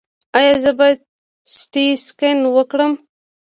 ایا زه باید سټي سکن وکړم؟